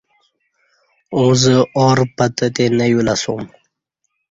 اوں زہ آر پتہ تے نہ یو لہ اسوم